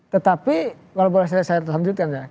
tetapi kalau boleh saya lanjutkan ya